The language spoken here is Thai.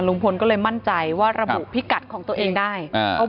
ลุงพลก็เลยมั่นใจว่าระบุพิกัดของตัวเองได้